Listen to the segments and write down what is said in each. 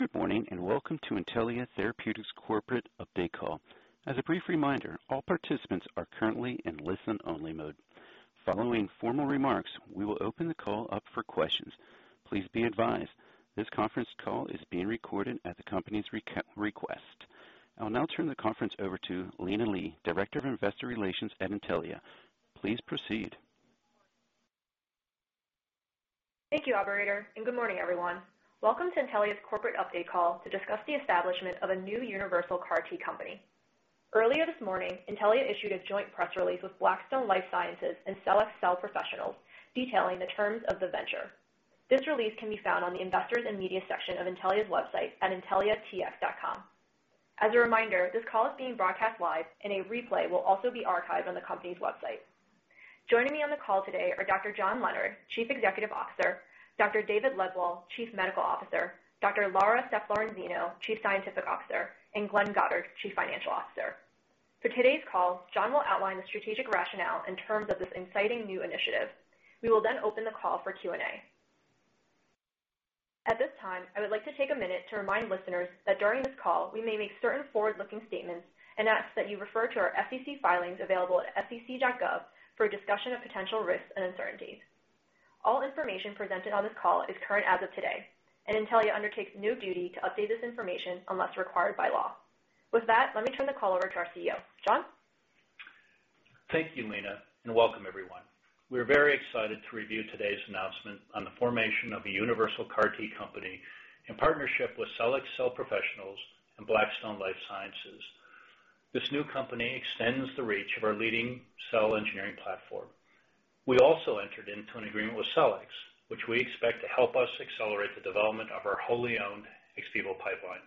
Good morning, welcome to Intellia Therapeutics corporate update call. As a brief reminder, all participants are currently in listen-only mode. Following formal remarks, we will open the call up for questions. Please be advised, this conference call is being recorded at the company's request. I will now turn the conference over to Lina Li, Director of Investor Relations at Intellia. Please proceed. Thank you, operator, and good morning, everyone. Welcome to Intellia's corporate update call to discuss the establishment of a new universal CAR-T company. Earlier this morning, Intellia issued a joint press release with Blackstone Life Sciences and Cellex Cell Professionals detailing the terms of the venture. This release can be found on the Investors and Media section of Intellia's website at intelliatx.com. As a reminder, this call is being broadcast live, and a replay will also be archived on the company's website. Joining me on the call today are Dr. John Leonard, Chief Executive Officer, Dr. David Lebwohl, Chief Medical Officer, Dr. Laura Sepp-Lorenzino, Chief Scientific Officer, and Glenn Goddard, Chief Financial Officer. For today's call, John will outline the strategic rationale in terms of this exciting new initiative. We will then open the call for Q&A. At this time, I would like to take a minute to remind listeners that during this call, we may make certain forward-looking statements and ask that you refer to our SEC filings available at sec.gov for a discussion of potential risks and uncertainties. All information presented on this call is current as of today, and Intellia undertakes no duty to update this information unless required by law. With that, let me turn the call over to our CEO. John? Thank you, Lina, and welcome everyone. We're very excited to review today's announcement on the formation of a universal CAR-T company in partnership with Cellex Cell Professionals and Blackstone Life Sciences. This new company extends the reach of our leading cell engineering platform. We also entered into an agreement with Cellex, which we expect to help us accelerate the development of our wholly-owned ex vivo pipeline.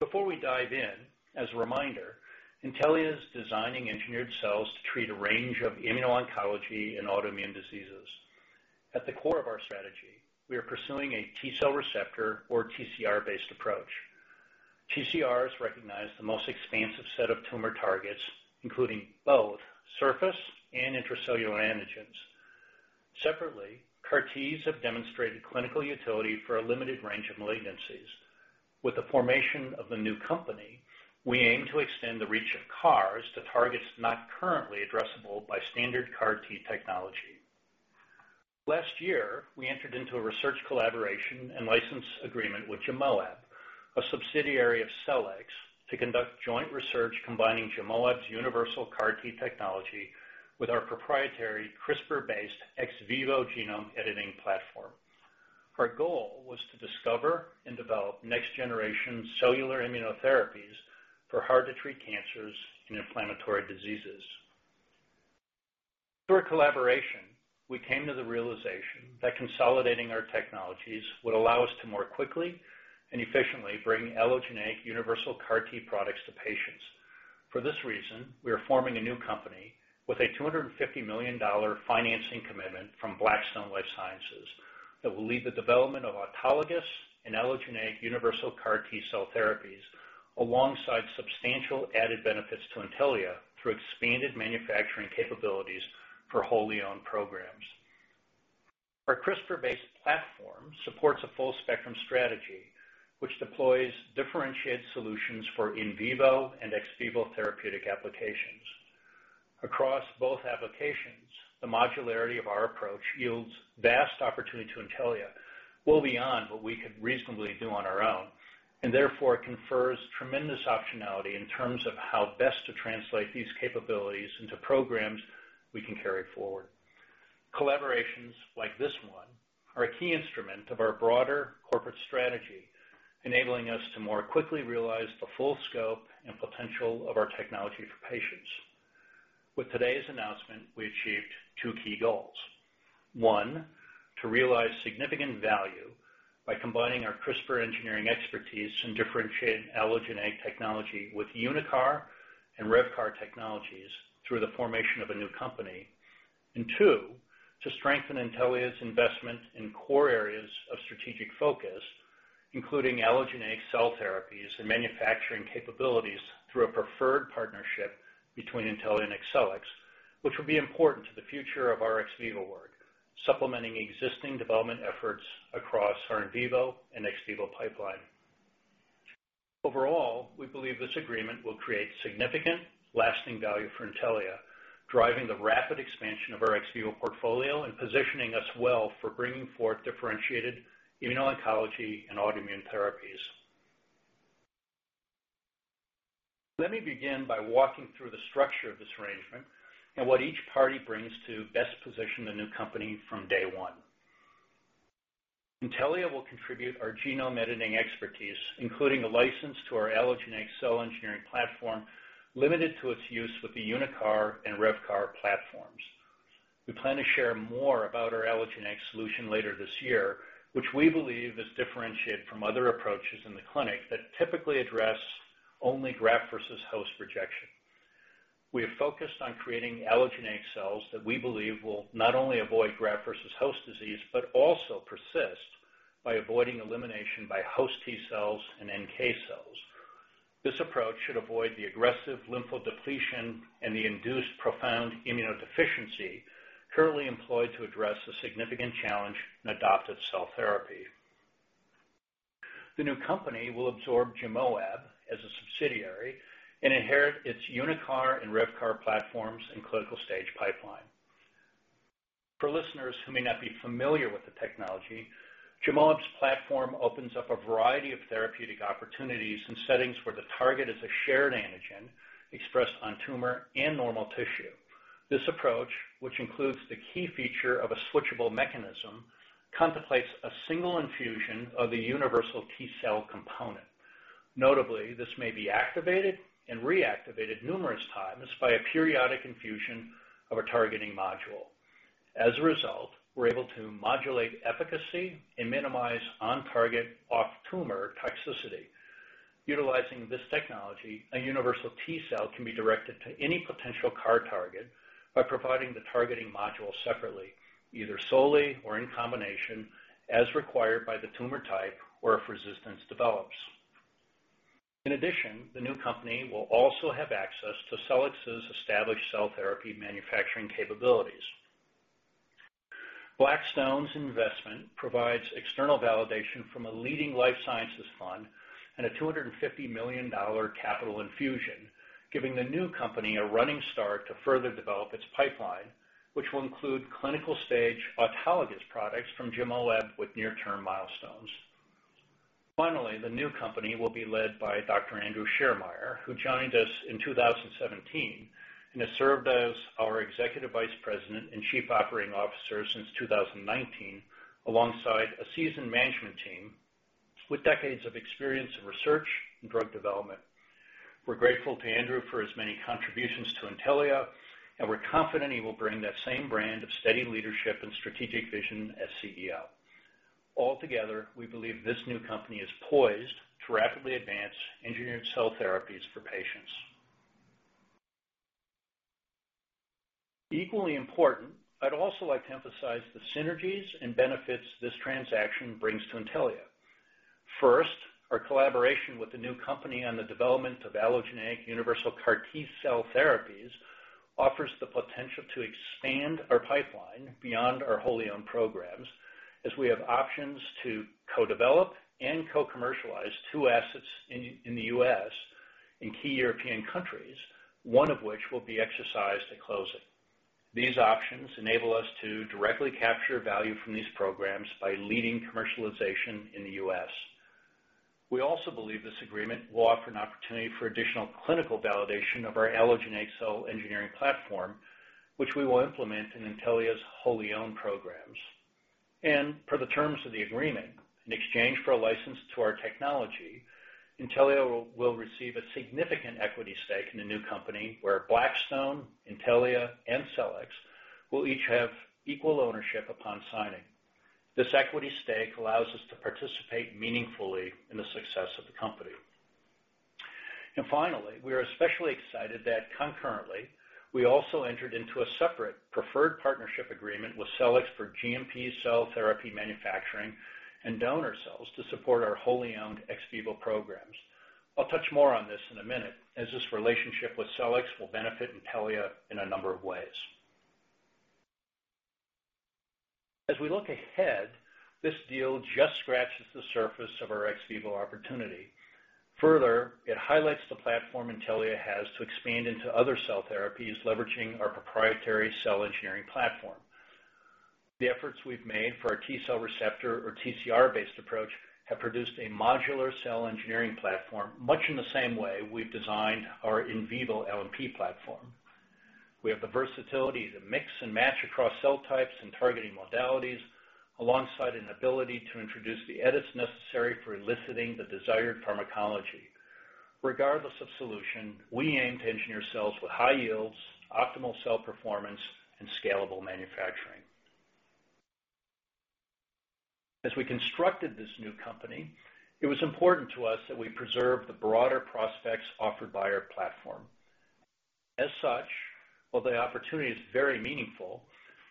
Before we dive in, as a reminder, Intellia is designing engineered cells to treat a range of immuno-oncology and autoimmune diseases. At the core of our strategy, we are pursuing a T-cell receptor, or TCR-based approach. TCRs recognize the most expansive set of tumor targets, including both surface and intracellular antigens. Separately, CAR-Ts have demonstrated clinical utility for a limited range of malignancies. With the formation of the new company, we aim to extend the reach of CARs to targets not currently addressable by standard CAR-T technology. Last year, we entered into a research collaboration and license agreement with GEMoaB, a subsidiary of Cellex, to conduct joint research combining GEMoaB's universal CAR-T technology with our proprietary CRISPR-based ex vivo genome editing platform. Our goal was to discover and develop next-generation cellular immunotherapies for hard-to-treat cancers and inflammatory diseases. Through our collaboration, we came to the realization that consolidating our technologies would allow us to more quickly and efficiently bring allogeneic universal CAR-T products to patients. For this reason, we are forming a new company with a $250 million financing commitment from Blackstone Life Sciences that will lead the development of autologous and allogeneic universal CAR-T cell therapies alongside substantial added benefits to Intellia through expanded manufacturing capabilities for wholly-owned programs. Our CRISPR-based platform supports a full-spectrum strategy, which deploys differentiated solutions for in vivo and ex vivo therapeutic applications. Across both applications, the modularity of our approach yields vast opportunity to Intellia well beyond what we could reasonably do on our own, and therefore confers tremendous optionality in terms of how best to translate these capabilities into programs we can carry forward. Collaborations like this one are a key instrument of our broader corporate strategy, enabling us to more quickly realize the full scope and potential of our technology for patients. With today's announcement, we achieved two key goals. One, to realize significant value by combining our CRISPR engineering expertise and differentiated allogeneic technology with UniCAR and RevCAR technologies through the formation of a new company. Two, to strengthen Intellia's investment in core areas of strategic focus, including allogeneic cell therapies and manufacturing capabilities through a preferred partnership between Intellia and Cellex, which will be important to the future of our ex vivo work, supplementing existing development efforts across our in vivo and ex vivo pipeline. Overall, we believe this agreement will create significant, lasting value for Intellia, driving the rapid expansion of our ex vivo portfolio and positioning us well for bringing forth differentiated immuno-oncology and autoimmune therapies. Let me begin by walking through the structure of this arrangement and what each party brings to best position the new company from day one. Intellia will contribute our genome editing expertise, including a license to our allogeneic cell engineering platform, limited to its use with the UniCAR and RevCAR platforms. We plan to share more about our allogeneic solution later this year, which we believe is differentiated from other approaches in the clinic that typically address only graft versus host disease. We have focused on creating allogeneic cells that we believe will not only avoid graft versus host disease, but also persist by avoiding elimination by host T-cells and NK-cells. This approach should avoid the aggressive lymphodepletion and the induced profound immunodeficiency currently employed to address a significant challenge in adoptive cell therapy. The new company will absorb GEMoaB as a subsidiary and inherit its UniCAR and RevCAR platforms and clinical-stage pipeline. For listeners who may not be familiar with the technology, GEMoaB's platform opens up a variety of therapeutic opportunities in settings where the target is a shared antigen expressed on tumor and normal tissue. This approach, which includes the key feature of a switchable mechanism, contemplates a single infusion of a universal T-cell component. Notably, this may be activated and reactivated numerous times by a periodic infusion of a targeting module. As a result, we're able to modulate efficacy and minimize on-target/off-tumor toxicity. Utilizing this technology, a universal T-cell can be directed to any potential CAR-T target by providing the targeting module separately, either solely or in combination, as required by the tumor type or if resistance develops. In addition, the new company will also have access to Cellex's established cell therapy manufacturing capabilities. Blackstone's investment provides external validation from a leading life sciences fund and a $250 million capital infusion, giving the new company a running start to further develop its pipeline, which will include clinical-stage autologous products from GEMoaB with near-term milestones. Finally, the new company will be led by Dr. Andrew Schiermeier, who joined us in 2017 and has served as our Executive Vice President and Chief Operating Officer since 2019, alongside a seasoned management team with decades of experience in research and drug development. We're grateful to Andrew for his many contributions to Intellia, and we're confident he will bring that same brand of steady leadership and strategic vision as CEO. Altogether, we believe this new company is poised to rapidly advance engineered cell therapies for patients. Equally important, I'd also like to emphasize the synergies and benefits this transaction brings to Intellia. Our collaboration with the new company on the development of allogeneic universal CAR-T cell therapies offers the potential to expand our pipeline beyond our wholly-owned programs, as we have options to co-develop and co-commercialize two assets in the U.S. and in key European countries, one of which will be exercised at closing. These options enable us to directly capture value from these programs by leading commercialization in the U.S. We also believe this agreement will offer an opportunity for additional clinical validation of our allogeneic cell engineering platform, which we will implement in Intellia's wholly-owned programs. Per the terms of the agreement, in exchange for a license to our technology, Intellia will receive a significant equity stake in the new company where Blackstone, Intellia, and Cellex will each have equal ownership upon signing. This equity stake allows us to participate meaningfully in the success of the company. Finally, we are especially excited that concurrently, we also entered into a separate preferred partnership agreement with Cellex for GMP cell therapy manufacturing and donor cells to support our wholly-owned ex vivo programs. I'll touch more on this in a minute, as this relationship with Cellex will benefit Intellia in a number of ways. As we look ahead, this deal just scratches the surface of our ex vivo opportunity. It highlights the platform Intellia has to expand into other cell therapies leveraging our proprietary cell engineering platform. The efforts we've made for our T-cell receptor or TCR-based approach have produced a modular cell engineering platform much in the same way we've designed our in vivo LNP platform. We have the versatility to mix and match across cell types and targeting modalities, alongside an ability to introduce the edits necessary for eliciting the desired pharmacology. Regardless of solution, we aim to engineer cells with high yields, optimal cell performance, and scalable manufacturing. As we constructed this new company, it was important to us that we preserve the broader prospects offered by our platform. As such, while the opportunity is very meaningful,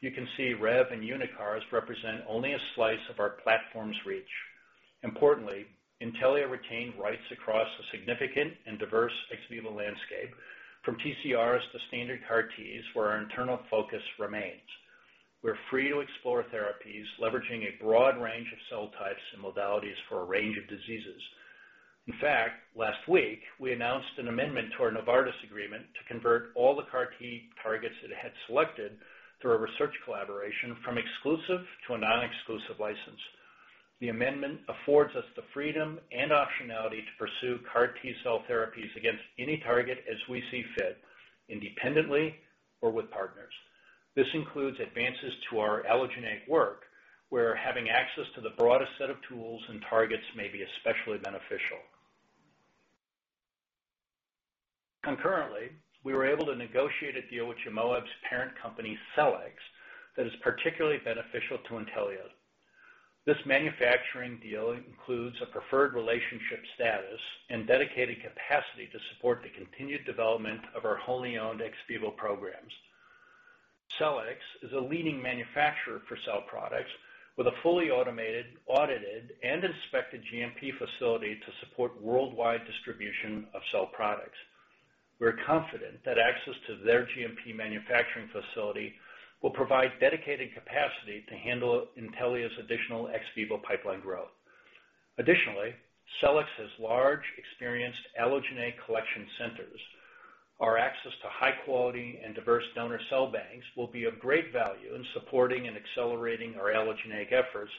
you can see RevCAR and UniCAR represent only a slice of our platform's reach. Importantly, Intellia retained rights across a significant and diverse ex vivo landscape from TCRs to standard CAR-Ts where our internal focus remains. We're free to explore therapies leveraging a broad range of cell types and modalities for a range of diseases. In fact, last week, we announced an amendment to our Novartis agreement to convert all the CAR-T targets it had selected through our research collaboration from exclusive to a non-exclusive license. The amendment affords us the freedom and optionality to pursue CAR-T cell therapies against any target as we see fit, independently or with partners. This includes advances to our allogeneic work, where having access to the broadest set of tools and targets may be especially beneficial. Concurrently, we were able to negotiate a deal with GEMoaB's parent company, Cellex, that is particularly beneficial to Intellia. This manufacturing deal includes a preferred relationship status and dedicated capacity to support the continued development of our wholly-owned ex vivo programs. Cellex is a leading manufacturer for cell products with a fully automated, audited, and inspected GMP facility to support worldwide distribution of cell products. We're confident that access to their GMP manufacturing facility will provide dedicated capacity to handle Intellia's additional ex vivo pipeline growth. Additionally, Cellex has large, experienced allogeneic collection centers. Our access to high-quality and diverse donor cell banks will be of great value in supporting and accelerating our allogeneic efforts,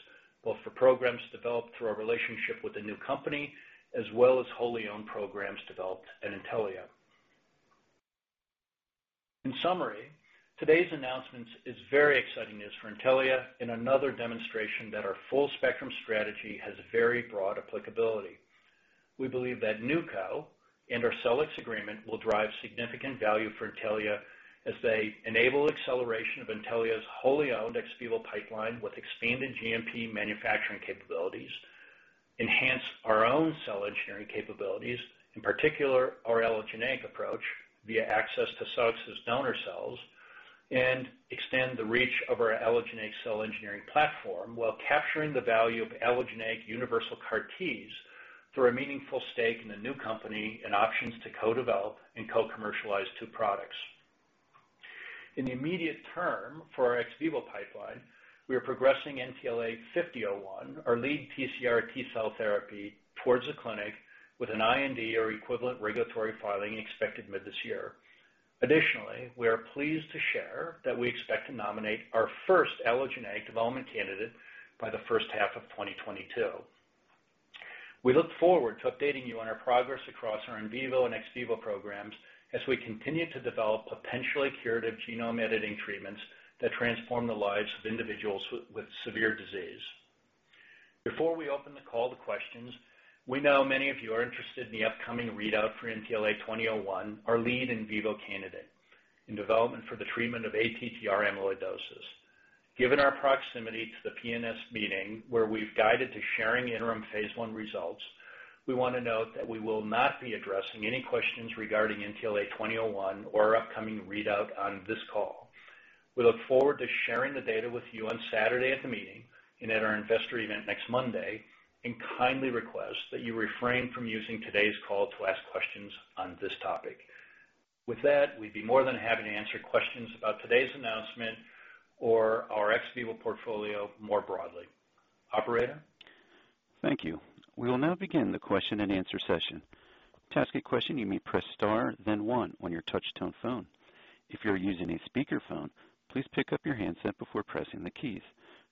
both for programs developed through our relationship with the new company as well as wholly-owned programs developed at Intellia. In summary, today's announcement is very exciting news for Intellia and another demonstration that our full spectrum strategy has very broad applicability. We believe that NewCo and our Cellex agreement will drive significant value for Intellia as they enable acceleration of Intellia's wholly-owned ex vivo pipeline with expanded GMP manufacturing capabilities, enhance our own cell engineering capabilities, in particular, our allogeneic approach via access to Cellex's donor cells, and expand the reach of our allogeneic cell engineering platform while capturing the value of allogeneic universal CAR-Ts through a meaningful stake in the new company and options to co-develop and co-commercialize two products. In the immediate term for our ex vivo pipeline, we are progressing NTLA-5001, our lead TCR T-cell therapy towards the clinic with an IND or equivalent regulatory filing expected mid this year. We are pleased to share that we expect to nominate our first allogeneic development candidate by the first half of 2022. We look forward to updating you on our progress across our in vivo and ex vivo programs as we continue to develop potentially curative genome editing treatments that transform the lives of individuals with severe disease. Before we open the call to questions, we know many of you are interested in the upcoming readout for NTLA-2001, our lead in vivo candidate in development for the treatment of ATTR amyloidosis. Given our proximity to the PNS meeting, where we've guided to sharing interim phase I results, we want to note that we will not be addressing any questions regarding NTLA-2001 or upcoming readout on this call. We look forward to sharing the data with you on Saturday at the meeting and at our investor event next Monday, and kindly request that you refrain from using today's call to ask questions on this topic. We'd be more than happy to answer questions about today's announcement or our ex vivo portfolio more broadly. Operator? Thank you. We'll now begin the question and answer session. To ask a question, you may press star, then one on your touchtone phone. If you're using a speaker phone, please pick up your handset before pressing the key.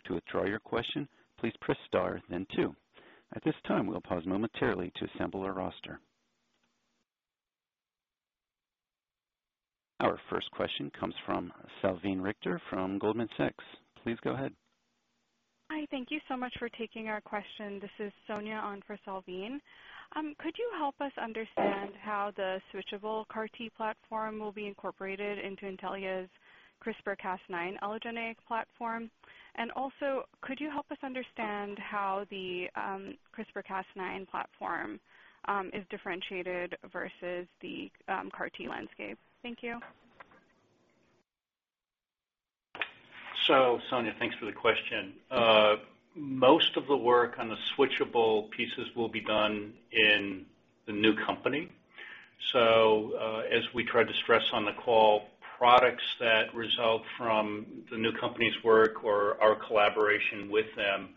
To withdraw your question, please press star then two. At this time, we'll pause momentarily to assemble a roster. Our first question comes from Salveen Richter from Goldman Sachs. Please go ahead. Hi. Thank you so much for taking our question. This is Sonia on for Salveen. Could you help us understand how the switchable CAR-T platform will be incorporated into Intellia's CRISPR-Cas9 allogeneic platform? Could you help us understand how the CRISPR-Cas9 platform is differentiated versus the CAR-T landscape? Thank you. Sonia, thanks for the question. Most of the work on the switchable pieces will be done in the new company. As we tried to stress on the call, products that result from the new company's work or our collaboration with them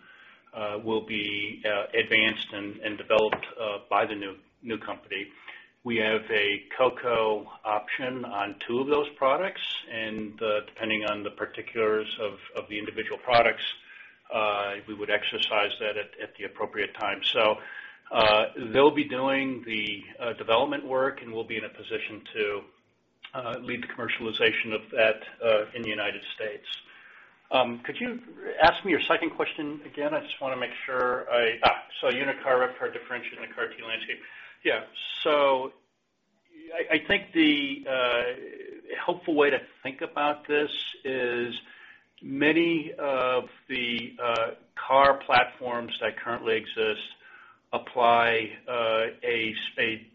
will be advanced and developed by the new company. We have a co-co option on two of those products, and depending on the particulars of the individual products, we would exercise that at the appropriate time. They'll be doing the development work, and we'll be in a position to lead the commercialization of that in the United States. Could you ask me your second question again? UniCAR, RevCAR differentiate in the CAR-T landscape. Yeah. I think the helpful way to think about this is many of the CAR platforms that currently exist apply a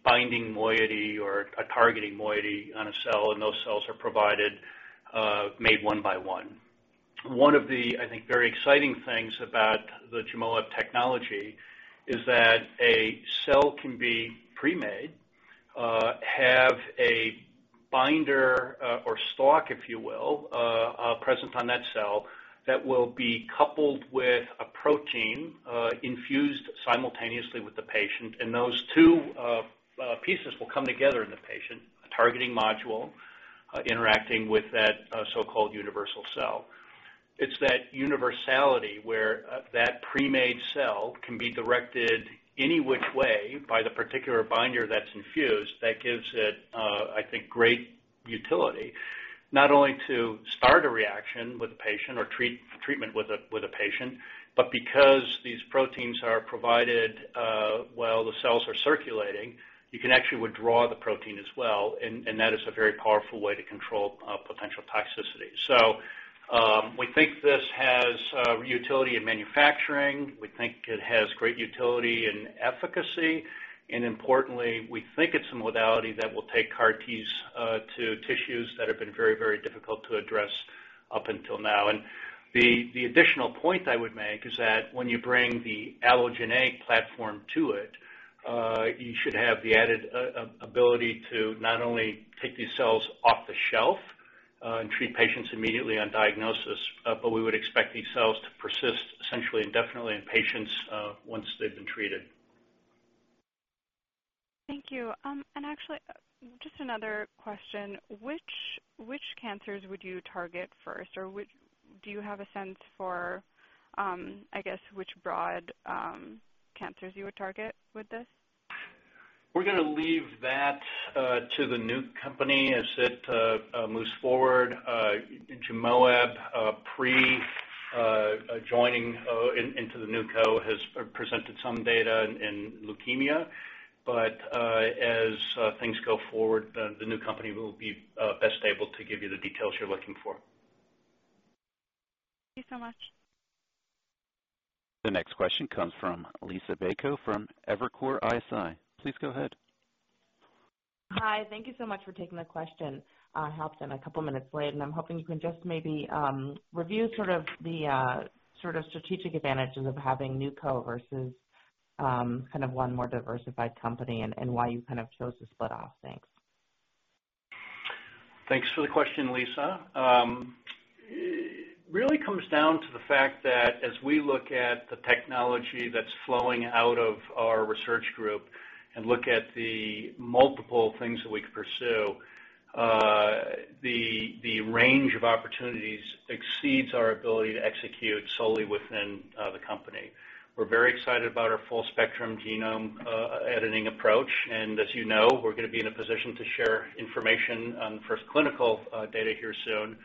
binding moiety or a targeting moiety on a cell, those cells are provided made one by one. One of the, I think, very exciting things about the GEMoaB technology is that a cell can be pre-made, have a binder or stalk, if you will, present on that cell that will be coupled with a protein infused simultaneously with the patient, those two pieces will come together in the patient, the targeting module interacting with that so-called universal cell. It's that universality where that pre-made cell can be directed any which way by the particular binder that's infused that gives it, I think, great utility, not only to start a reaction with a patient or treatment with a patient, but because these proteins are provided while the cells are circulating, you can actually withdraw the protein as well, and that is a very powerful way to control potential toxicity. We think this has utility in manufacturing. We think it has great utility and efficacy, and importantly, we think it's a modality that will take CAR-Ts to tissues that have been very, very difficult to address up until now. The additional point I would make is that when you bring the allogeneic platform to it, you should have the added ability to not only take these cells off the shelf and treat patients immediately on diagnosis, but we would expect these cells to persist essentially indefinitely in patients once they've been treated. Thank you. Actually, just another question. Which cancers would you target first, or do you have a sense for, I guess, which broad cancers you would target with this? We're going to leave that to the new company as it moves forward. GEMoaB, pre-joining into the NewCo, has presented some data in leukemia. As things go forward, the new company will be best able to give you the details you're looking for. Thank you so much. The next question comes from Liisa Bayko from Evercore ISI. Please go ahead. Hi. Thank you so much for taking my question. I have some, couple minutes late. I'm hoping you can just maybe review the sort of strategic advantages of having NewCo versus one more diversified company and why you kind of chose to split off. Thanks. Thanks for the question, Liisa. It really comes down to the fact that as we look at the technology that's flowing out of our research group and look at the multiple things that we could pursue, the range of opportunities exceeds our ability to execute solely within the company. We're very excited about our full spectrum genome editing approach. As you know, we're going to be in a position to share information on first clinical data here soon.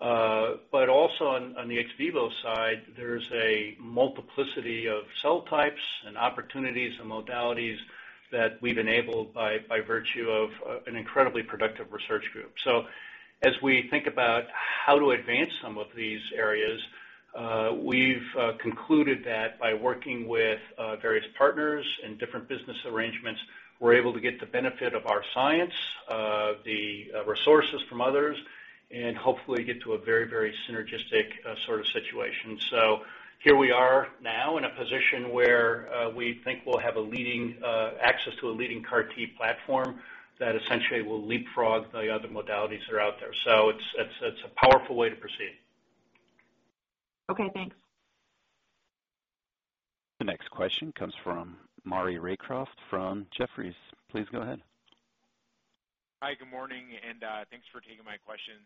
Also on the ex vivo side, there's a multiplicity of cell types and opportunities and modalities that we've enabled by virtue of an incredibly productive research group. As we think about how to advance some of these areas, we've concluded that by working with various partners and different business arrangements, we're able to get the benefit of our science, the resources from others, and hopefully get to a very, very synergistic sort of situation. Here we are now in a position where we think we'll have access to a leading CAR-T platform that essentially will leapfrog the other modalities that are out there. It's a powerful way to proceed. Okay. Thanks. The next question comes from Maury Raycroft from Jefferies. Please go ahead. Hi, good morning, and thanks for taking my question.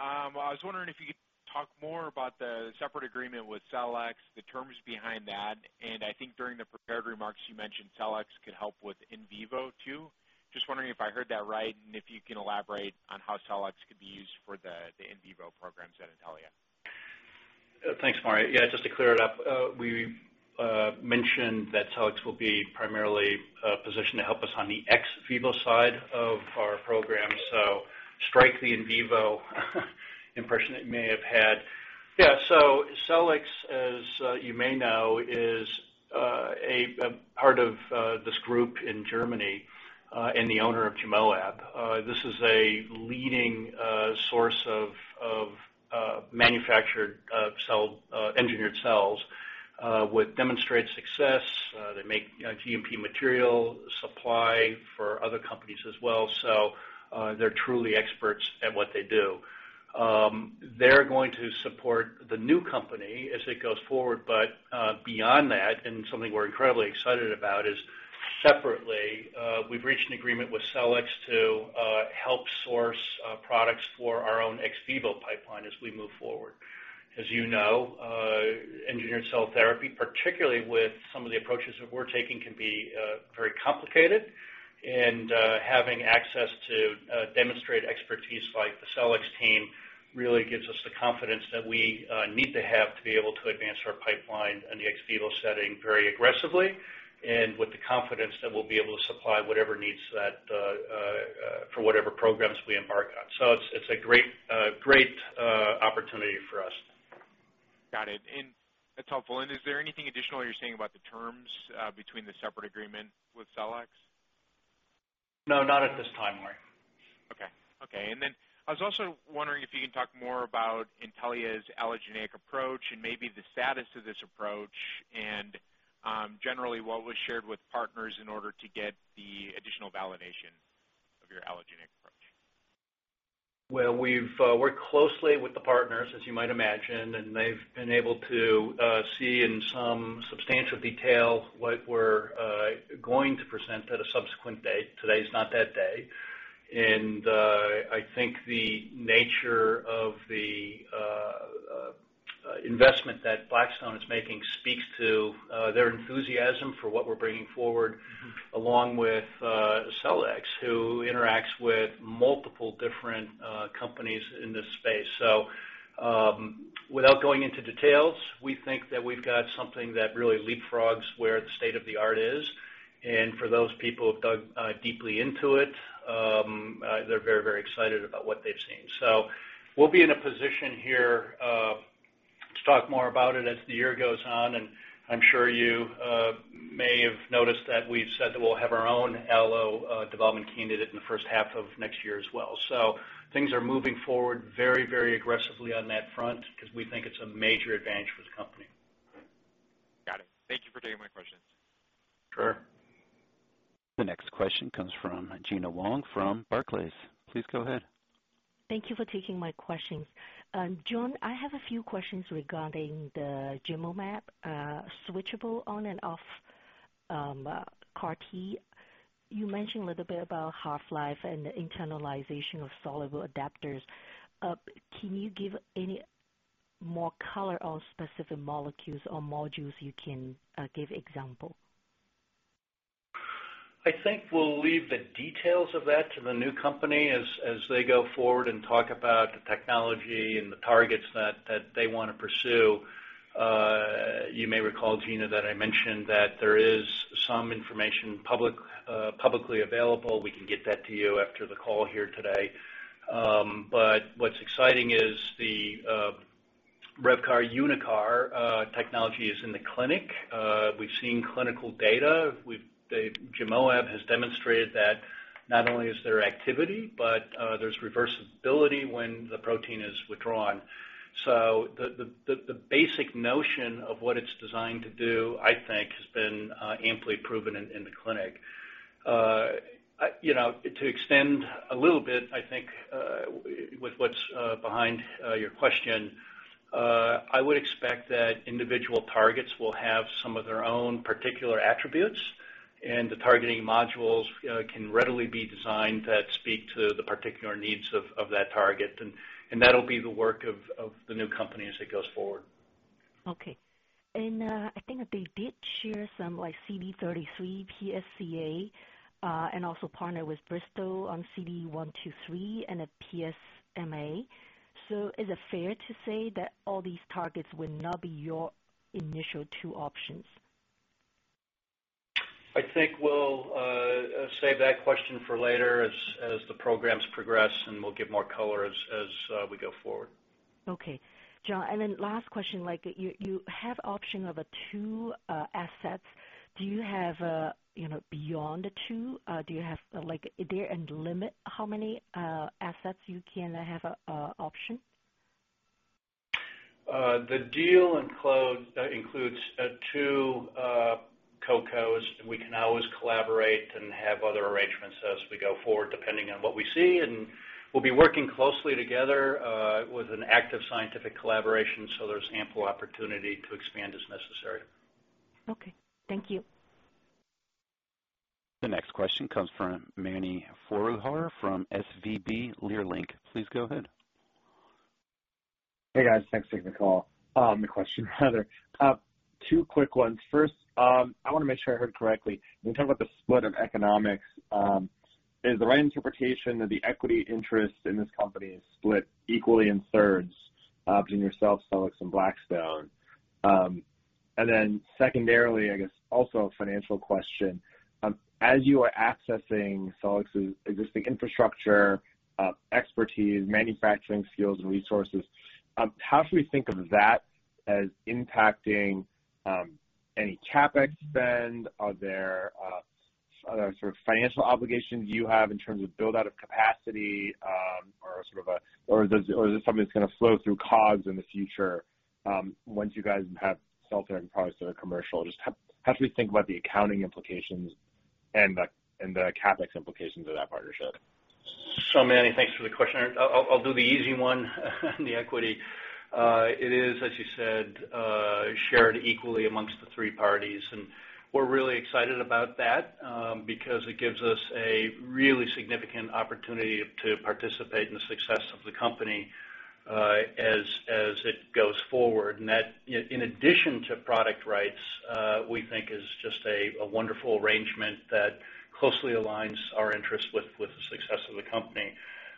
I was wondering if you could talk more about the separate agreement with Cellex, the terms behind that, and I think during the prepared remarks you mentioned Cellex could help with in vivo too. Just wondering if I heard that right and if you can elaborate on how Cellex could be used for the in vivo programs at Intellia. Thanks, Maury. Just to clear it up, we mentioned that Cellex will be primarily positioned to help us on the ex vivo side of our program. Strike the in vivo impression it may have had. Cellex, as you may know, is a part of this group in Germany and the owner of GEMoaB. This is a leading source of manufactured engineered cells with demonstrated success. They make GMP material supply for other companies as well, they're truly experts at what they do. They're going to support the new company as it goes forward, but beyond that, and something we're incredibly excited about is separately, we've reached an agreement with Cellex to help source products for our own ex vivo pipeline as we move forward. As you know, engineered cell therapy, particularly with some of the approaches that we're taking, can be very complicated, and having access to demonstrated expertise like the Cellex team really gives us the confidence that we need to have to be able to advance our pipeline in the ex vivo setting very aggressively, and with the confidence that we'll be able to supply whatever needs for whatever programs we embark on. It's a great opportunity for us. Got it. That's helpful. Is there anything additional you're saying about the terms between the separate agreement with Cellex? No, not at this time, Maury. Okay. I was also wondering if you can talk more about Intellia's allogeneic approach and maybe the status of this approach and generally what was shared with partners in order to get the additional validation of your allogeneic approach? Well, we've worked closely with the partners, as you might imagine, and they've been able to see in some substantial detail what we're going to present at a subsequent date. Today's not that day. I think the nature of the investment that Blackstone is making speaks to their enthusiasm for what we're bringing forward, along with Cellex, who interacts with multiple different companies in this space. Without going into details, we think that we've got something that really leapfrogs where the state of the art is. For those people who've dug deeply into it, they're very excited about what they've seen. We'll be in a position here to talk more about it as the year goes on, and I'm sure you may have noticed that we've said that we'll have our own allo development team in the first half of next year as well. Things are moving forward very aggressively on that front because we think it's a major advantage for the company. Got it. Thank you for taking my questions. Sure. The next question comes from Gena Wang from Barclays. Please go ahead. Thank you for taking my questions. John, I have a few questions regarding the GEMoaB switchable on and off CAR-T. You mentioned a little bit about half-life and the internalization of soluble adapters. Can you give any more color on specific molecules or modules you can give example? I think we'll leave the details of that to the new company as they go forward and talk about the technology and the targets that they want to pursue. You may recall, Gena, that I mentioned that there is some information publicly available. We can get that to you after the call here today. What's exciting is the RevCAR UniCAR technology is in the clinic. We've seen clinical data. GEMoaB has demonstrated that not only is there activity, but there's reversibility when the protein is withdrawn. The basic notion of what it's designed to do, I think, has been amply proven in the clinic. To extend a little bit, I think, with what's behind your question, I would expect that individual targets will have some of their own particular attributes, and the targeting modules can readily be designed that speak to the particular needs of that target, and that'll be the work of the new company as it goes forward. Okay. I think that they did share some CD33 PSCA, and also partner with Bristol on CD123 and a PSMA. Is it fair to say that all these targets will now be your initial two options? I think we'll save that question for later as the programs progress. We'll give more color as we go forward. Okay. John, last question. You have option of two assets. Do you have beyond two? Is there any limit how many assets you can have option? The deal includes two co-cos. We can always collaborate and have other arrangements as we go forward, depending on what we see. We'll be working closely together with an active scientific collaboration, so there's ample opportunity to expand as necessary. Okay. Thank you. The next question comes from Mani Foroohar from SVB Leerink. Please go ahead. Hey, guys. Thanks for the call. Good question rather. Two quick ones. First, I want to make sure I heard correctly. When you talk about the split of economics, is the right interpretation that the equity interest in this company is split equally in thirds between yourself, Cellex, and Blackstone? Secondarily, I guess also a financial question. As you are accessing Cellex's existing infrastructure, expertise, manufacturing skills, and resources, how should we think of that as impacting any CapEx spend? Are there financial obligations you have in terms of build out of capacity, or is this something that's going to flow through COGS in the future once you guys have cell therapy products that are commercial? Just how should we think about the accounting implications and the CapEx implications of that partnership? Mani, thanks for the question. I'll do the easy one, the equity. It is, as you said, shared equally amongst the three parties, and we're really excited about that, because it gives us a really significant opportunity to participate in the success of the company as it goes forward. And that, in addition to product rights, we think is just a wonderful arrangement that closely aligns our interest with the success of the company.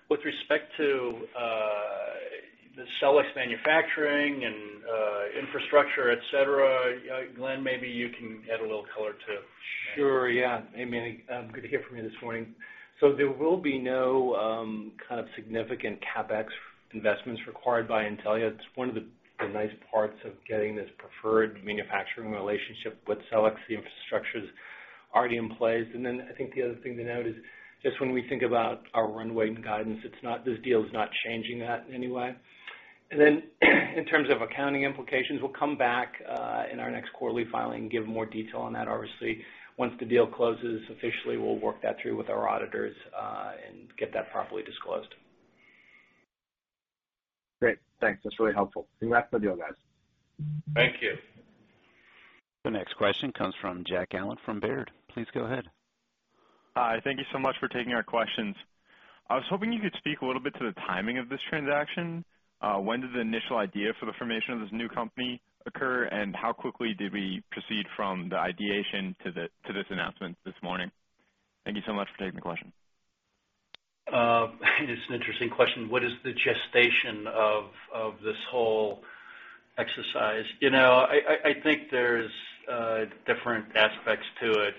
With respect to the Cellex manufacturing and infrastructure, et cetera, Glenn, maybe you can add a little color too. Sure, yeah. Hey, Mani. Good to hear from you this morning. There will be no kind of significant CapEx investments required by Intellia. It's one of the nice parts of getting this preferred manufacturing relationship with Cellex, the infrastructure's already in place. I think the other thing to note is just when we think about our runway and guidance, this deal is not changing that in any way. In terms of accounting implications, we'll come back in our next quarterly filing and give more detail on that. Obviously, once the deal closes officially, we'll work that through with our auditors, and get that properly disclosed. Great. Thanks. That's really helpful. Congrats on the deal, guys. Thank you. The next question comes from Jack Allen from Baird. Please go ahead. Hi. Thank you so much for taking our questions. I was hoping you could speak a little bit to the timing of this transaction. When did the initial idea for the formation of this new company occur, and how quickly did we proceed from the ideation to this announcement this morning? Thank you so much for taking the question. It's an interesting question. What is the gestation of this whole exercise? I think there's different aspects to it.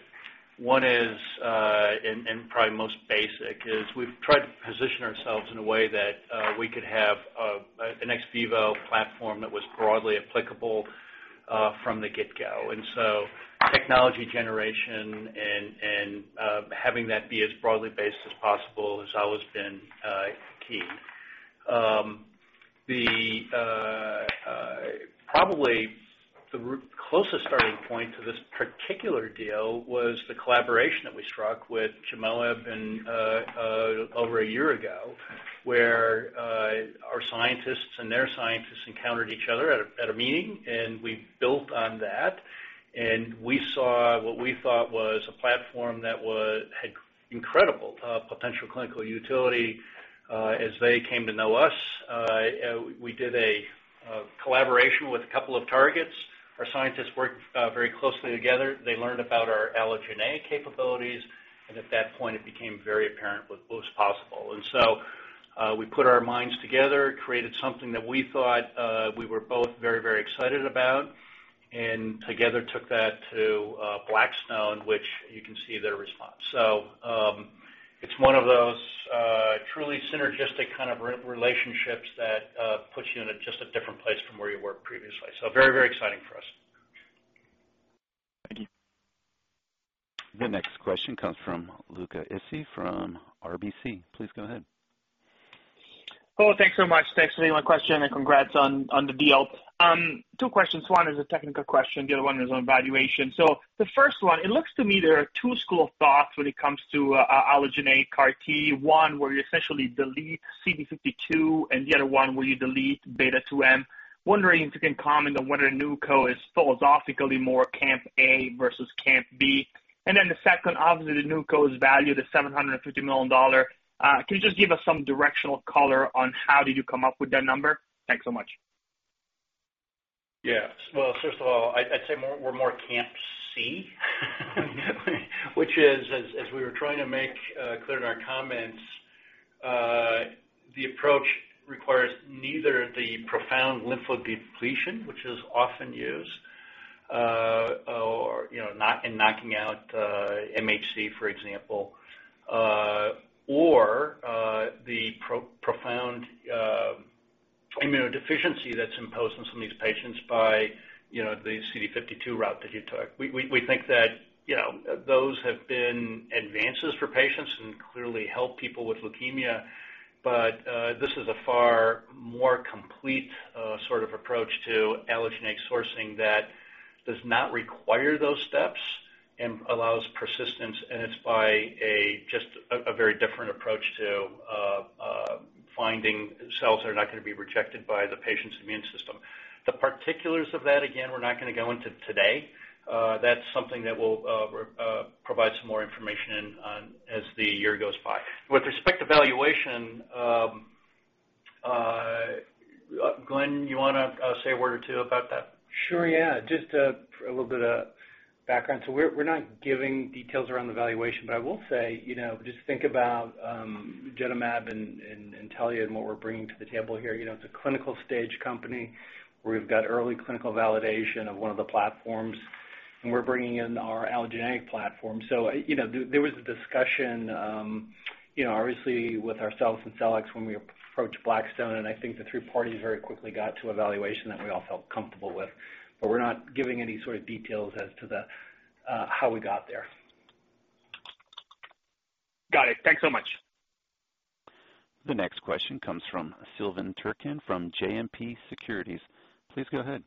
One is, and probably most basic is, we've tried to position ourselves in a way that we could have an ex vivo platform that was broadly applicable from the get-go. Technology generation and having that be as broadly based as possible has always been key. Probably the closest starting point to this particular deal was the collaboration that we struck with GEMoaB over a year ago, where our scientists and their scientists encountered each other at a meeting, and we built on that, and we saw what we thought was a platform that had incredible potential clinical utility as they came to know us. We did a collaboration with a couple of targets. Our scientists worked very closely together. They learned about our allogeneic capabilities. At that point, it became very apparent what was possible. We put our minds together, created something that we thought we were both very excited about, and together took that to Blackstone, which you can see their response. It's one of those truly synergistic kind of relationships that puts you in just a different place than where you were previously. Very exciting for us. Thank you. The next question comes from Luca Issi, from RBC. Please go ahead. Thanks very much. Thanks for taking my question. Congrats on the deal. Two questions. One is a technical question, the other one is on valuation. The first one, it looks to me there are two schools of thought when it comes to allogeneic CAR-T, one where you essentially delete CD52 and the other one where you delete beta-2M. Wondering if you can comment on whether NewCo is philosophically more Camp A versus Camp B. The second, obviously the NewCo is valued at $750 million. Can you just give us some directional color on how do you come up with that number? Thanks so much. Well, first of all, I'd say we're more Camp C, which is, as we were trying to make clear in our comments, the approach requires neither the profound lymphodepletion, which is often used, or knocking out MHC, for example, or the profound immunodeficiency that's imposed on some of these patients by the CD52 route that we took. We think that those have been advances for patients and clearly help people with leukemia. This is a far more complete sort of approach to allogeneic sourcing that does not require those steps and allows persistence, and it's by just a very different approach to finding cells that are not going to be rejected by the patient's immune system. The particulars of that, again, we're not going to go into today. That's something that we'll provide some more information on as the year goes by. With respect to valuation, Glenn, you want to say a word or two about that? Sure, yeah. Just a little bit of background. We're not giving details around the valuation, but I will say, just think about GEMoaB and Intellia and what we're bringing to the table here. It's a clinical-stage company where we've got early clinical validation of one of the platforms, and we're bringing in our allogeneic platform. There was a discussion, obviously with ourselves and Cellex when we approached Blackstone, and I think the three parties very quickly got to a valuation that we all felt comfortable with, but we're not giving any sort of details as to how we got there. Got it. Thanks so much. The next question comes from Silvan Türkcan from JMP Securities. Please go ahead.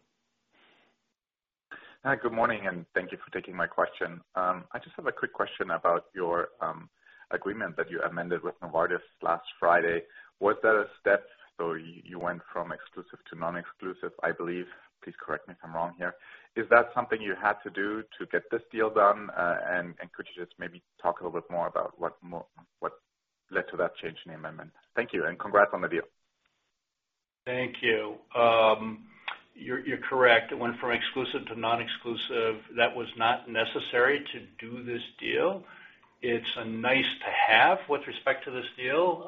Hi, good morning, and thank you for taking my question. I just have a quick question about your agreement that you amended with Novartis last Friday. Was that a step, so you went from exclusive to non-exclusive, I believe, please correct me if I'm wrong here. Is that something you had to do to get this deal done? Could you just maybe talk a little bit more about what led to that change in the amendment? Thank you, and congrats on the deal. Thank you. You're correct. It went from exclusive to non-exclusive. That was not necessary to do this deal. It's nice to have with respect to this deal.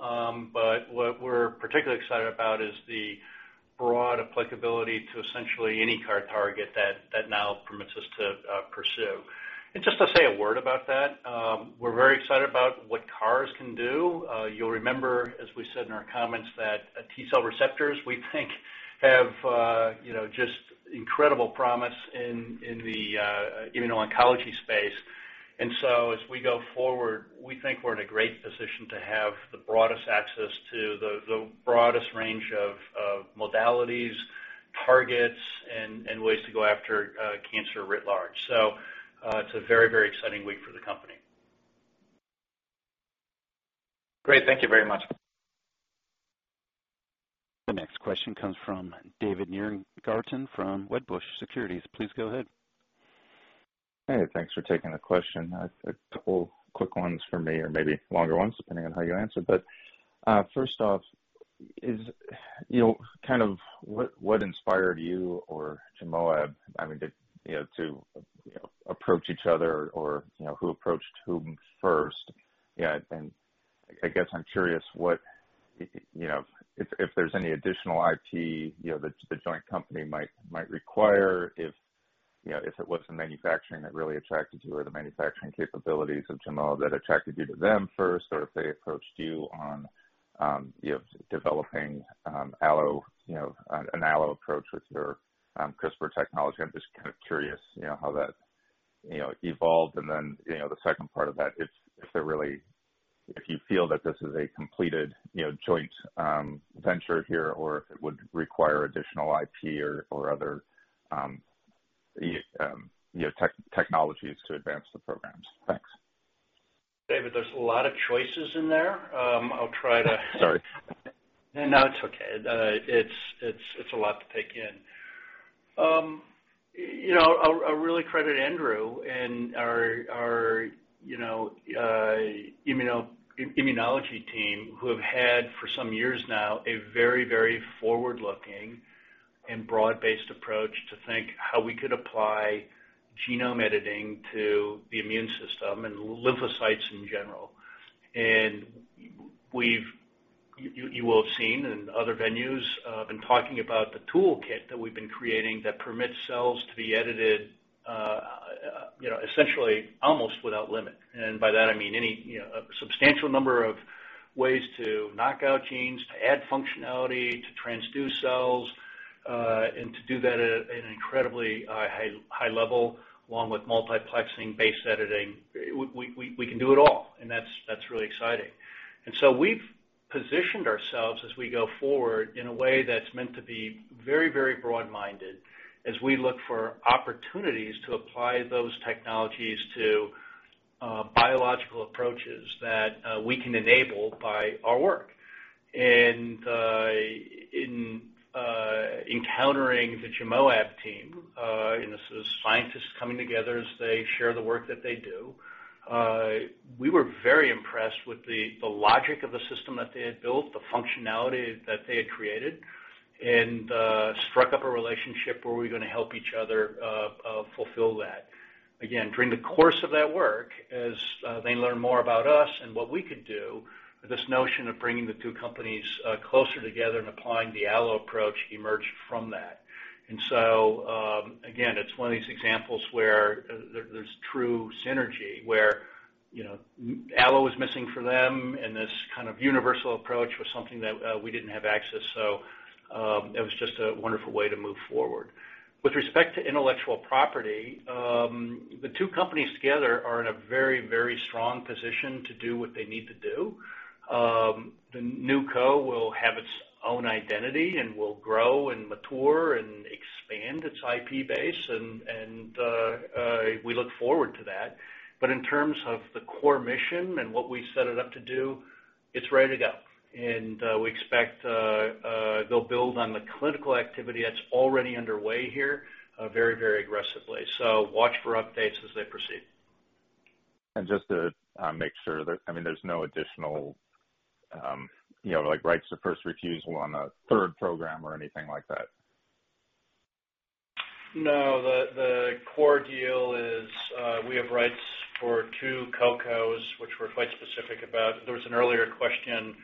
What we're particularly excited about is the broad applicability to essentially any CAR target that now permits us to pursue. Just to say a word about that, we're very excited about what CARs can do. You'll remember, as we said in our comments, that T-cell receptors, we think have just incredible promise in the immuno-oncology space. As we go forward, we think we're in a great position to have the broadest access to the broadest range of modalities, targets, and ways to go after cancer writ large. It's a very exciting week for the company. Great. Thank you very much. The next question comes from David Nierengarten from Wedbush Securities. Please go ahead. Hey, thanks for taking the question. A couple quick ones for me, or maybe longer ones, depending on how you answer. First off, what inspired you or GEMoaB to approach each other, or who approached whom first? I guess I'm curious if there's any additional IP the joint company might require, if it was the manufacturing that really attracted you or the manufacturing capabilities of GEMoaB that attracted you to them first, or if they approached you on developing an allo approach with your CRISPR technology. I'm just curious how that evolved. Then, the second part of that, if you feel that this is a completed joint venture here, or if it would require additional IP or other technologies to advance the programs. Thanks. David, there's a lot of choices in there. I'll try to. Sorry. No, it's okay. It's a lot to take in. I really credit Andrew and our immunology team who have had for some years now a very forward-looking and broad-based approach to think how we could apply genome editing to the immune system and lymphocytes in general. You will have seen in other venues, I've been talking about the toolkit that we've been creating that permits cells to be edited essentially almost without limit. By that I mean a substantial number of ways to knock out genes, to add functionality, to transduce cells, and to do that at an incredibly high level along with multiplexing-based editing. We can do it all, and that's really exciting. So we've positioned ourselves as we go forward in a way that's meant to be very broad-minded as we look for opportunities to apply those technologies to biological approaches that we can enable by our work. In encountering the GEMoaB team, as scientists come together, as they share the work that they do, we were very impressed with the logic of the system that they had built, the functionality that they had created, and struck up a relationship where we're going to help each other fulfill that. Again, during the course of that work, as they learn more about us and what we could do with this notion of bringing the two companies closer together and applying the allo approach emerged from that. So again, it's one of these examples where there's true synergy, where allo was missing for them, and this kind of universal approach was something that we didn't have access, so it was just a wonderful way to move forward. With respect to intellectual property, the two companies together are in a very strong position to do what they need to do. The NewCo will have its own identity and will grow and mature and expand its IP base, and we look forward to that. In terms of the core mission and what we set it up to do, it's ready to go. We expect they'll build on the clinical activity that's already underway here very aggressively. Watch for updates as they proceed. Just to make sure, there's no additional rights of first refusal on a third program or anything like that? No, the core deal is we have rights for two co-cos, which we're quite specific about. There was an earlier question,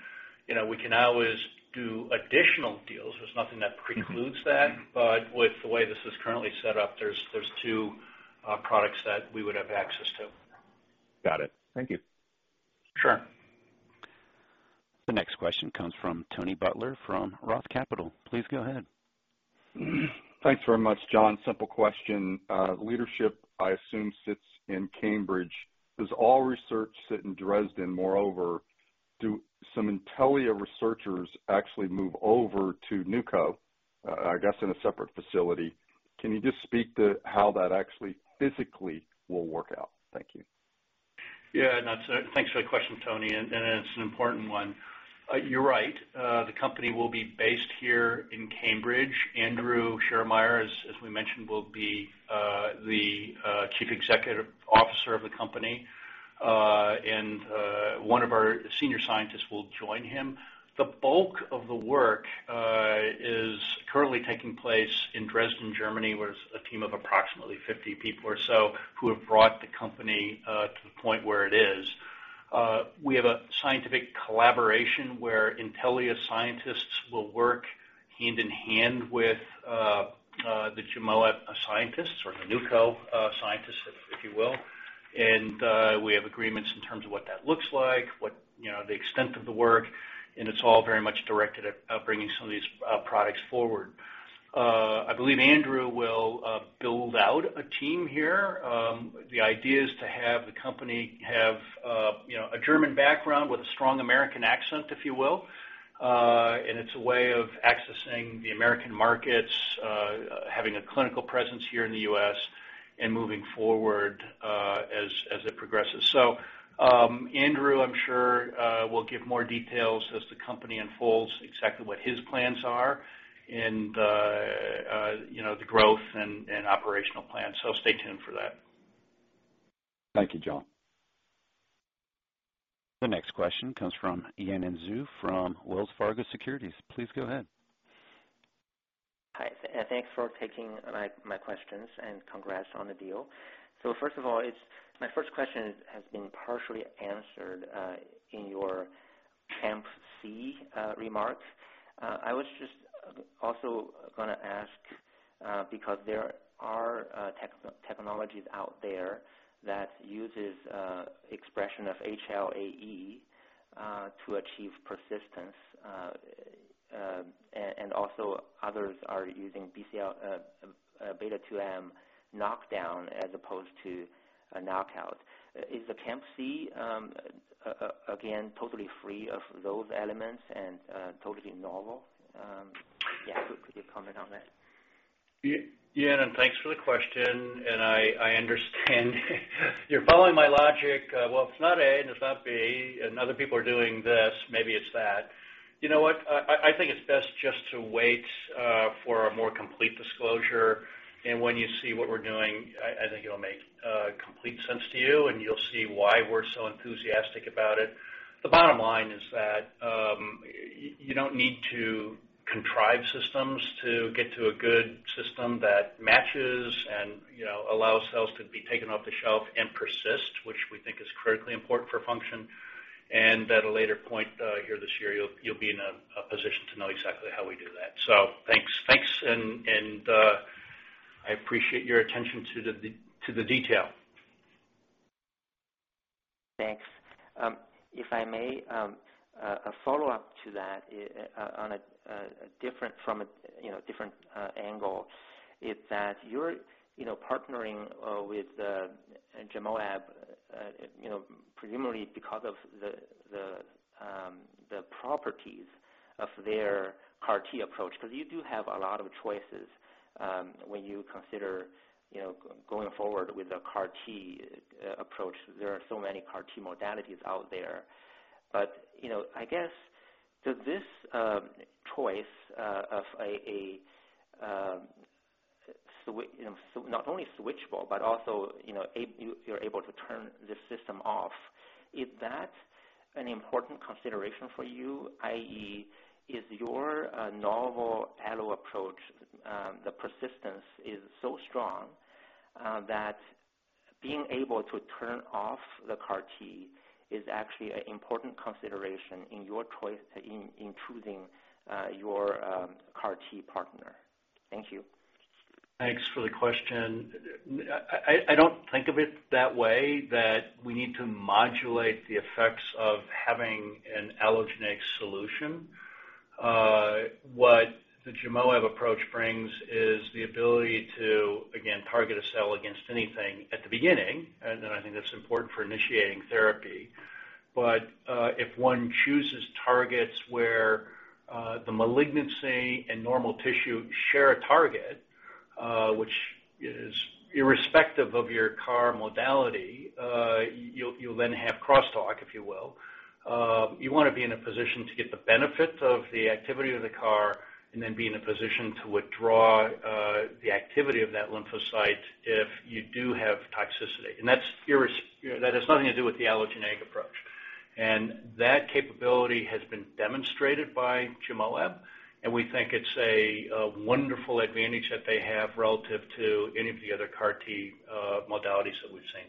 we can always do additional deals. There's nothing that precludes that, but with the way this is currently set up, there's two products that we would have access to. Got it. Thank you. Sure. The next question comes from Tony Butler from Roth Capital. Please go ahead. Thanks very much, John. Simple question. Leadership, I assume, sits in Cambridge. Does all research sit in Dresden? Moreover, do some Intellia researchers actually move over to NewCo, I guess, in a separate facility? Can you just speak to how that actually physically will work out? Thank you. Yeah, and thanks for that question, Tony, and it's an important one. You're right. The company will be based here in Cambridge. Andrew Schiermeier, as we mentioned, will be the Chief Executive Officer of the company, and one of our senior scientists will join him. The bulk of the work is currently taking place in Dresden, Germany, where it's a team of approximately 50 people or so who have brought the company to the point where it is. We have a scientific collaboration where Intellia scientists will work hand in hand with the GEMoaB scientists or the NewCo scientists, if you will. We have agreements in terms of what that looks like, the extent of the work, and it's all very much directed at bringing some of these products forward. I believe Andrew will build out a team here. The idea is to have the company have a German background with a strong American accent, if you will. It's a way of accessing the American markets, having a clinical presence here in the U.S., and moving forward as it progresses. Andrew, I'm sure, will give more details as the company unfolds exactly what his plans are and the growth and operational plans. Stay tuned for that. Thank you, John. The next question comes from Yanan Zhu from Wells Fargo Securities. Please go ahead. Hi, thanks for taking my questions, and congrats on the deal. First of all, my first question has been partially answered in your Camp C remarks. I was just also going to ask, because there are technologies out there that use expression of HLA-E to achieve persistence, and also others are using beta-2M knockdown as opposed to a knockout. Is the Camp C, again, totally free of those elements and totally normal? Yeah, if you could comment on that. Yanan, thanks for the question. I understand you're following my logic. If it's not A and it's not B and other people are doing this, maybe it's that. You know what? I think it's best just to wait for a more complete disclosure. When you see what we're doing, I think it'll make complete sense to you, and you'll see why we're so enthusiastic about it. The bottom line is that you don't need to contrive systems to get to a good system that matches and allows cells to be taken off the shelf and persist, which we think is critically important for function. At a later point here this year, you'll be in a position to know exactly how we do that. Thanks and I appreciate your attention to the detail. Thanks. If I may, a follow-up to that from a different angle is that you're partnering with GEMoaB, presumably because of the properties of their CAR-T approach, because you do have a lot of choices when you consider going forward with a CAR-T approach. There are so many CAR-T modalities out there. I guess, does this choice of not only switchable, but also you're able to turn the system off, is that an important consideration for you, i.e., is your novel allo approach, the persistence is so strong that being able to turn off the CAR-T is actually an important consideration in choosing your CAR-T partner? Thank you. Thanks for the question. I don't think of it that way, that we need to modulate the effects of having an allogeneic solution. What the GEMoaB approach brings is the ability to, again, target a cell against anything at the beginning, and then I think that's important for initiating therapy. But if one chooses targets where the malignancy and normal tissue share a target, which is irrespective of your CAR modality, you'll then have crosstalk, if you will. You want to be in a position to get the benefits of the activity of the CAR and then be in a position to withdraw the activity of that lymphocyte if you do have toxicity. That has nothing to do with the allogeneic approach. That capability has been demonstrated by GEMoaB, and we think it's a wonderful advantage that they have relative to any of the other CAR-T modalities that we've seen.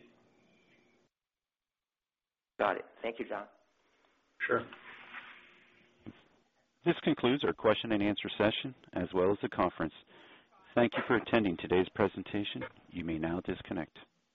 Got it. Thank you, John. Sure. This concludes our question and answer session, as well as the conference. Thank you for attending today's presentation. You may now disconnect.